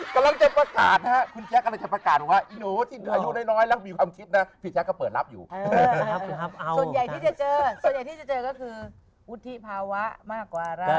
กำลังจะประกาศนะ